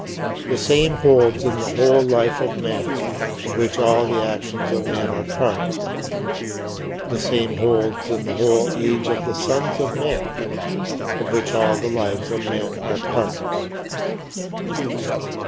The same holds in the whole life of man, of which all the actions of men are parts. The same holds in the whole age of the sons of men, of which all the lives of men are parts.